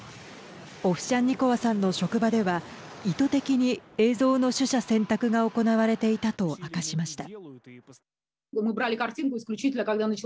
オフシャンニコワさんの職場では意図的に映像の取捨選択が行われていたと明かしました。